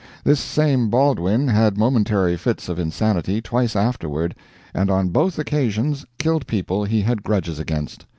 This same Baldwin had momentary fits of insanity twice afterward, and on both occasions killed people he had grudges against.